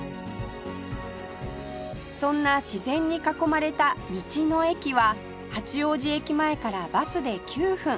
そんな自然に囲まれた道の駅は八王子駅前からバスで９分